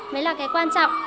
đấy là cái quan trọng